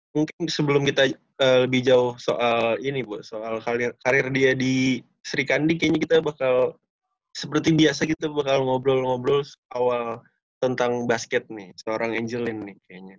mungkin sebelum kita lebih jauh soal ini bu soal karir dia di sri kandi kayaknya kita bakal seperti biasa kita bakal ngobrol ngobrol awal tentang basket nih seorang angeline nih kayaknya